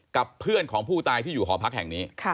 กับเพื่อนของผู้ตายที่อยู่หอพักแห่งนี้